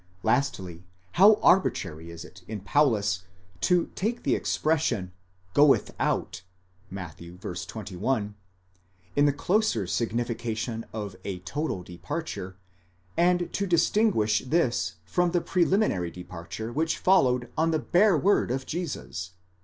Lastly, how arbitrary is it in Paulus to take the expression ἐκπορεύεται, goeth out (Matt. v. 21), in the closer significa tion of a total departure, and to distinguish this from the preliminary departure which followed on the bare word of Jesus (v.